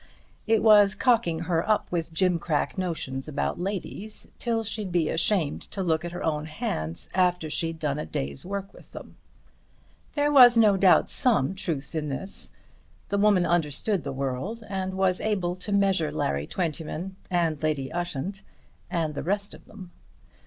It was cocking her up with gimcrack notions about ladies till she'd be ashamed to look at her own hands after she had done a day's work with them. There was no doubt some truth in this. The woman understood the world and was able to measure Larry Twentyman and Lady Ushant and the rest of them.